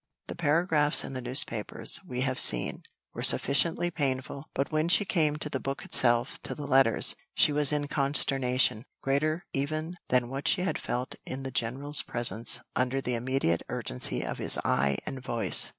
The paragraphs in the newspapers, we have seen, were sufficiently painful, but when she came to the book itself to the letters she was in consternation, greater even than what she had felt in the general's presence under the immediate urgency of his eye and voice.